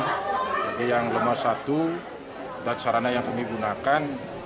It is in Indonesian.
jadi yang lemas satu dan sarana yang digunakan